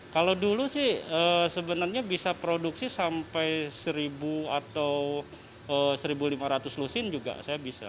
kalau dulu sih sebenarnya bisa produksi sampai seribu atau seribu lima ratus lusin juga saya bisa